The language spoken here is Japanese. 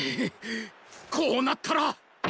こうなったらうお！